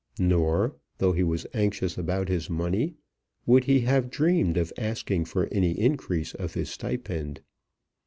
Nor, though he was anxious about his money, would he have dreamed of asking for any increase of his stipend.